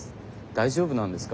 大丈夫なんですか？